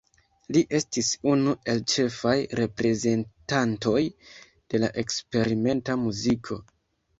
Li estis unu el ĉefaj reprezentantoj de la eksperimenta muziko.